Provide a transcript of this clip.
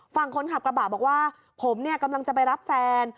ฝั่งคนขับกระบะบอกว่าผมเนี่ยกำลังจะไปรับแฟน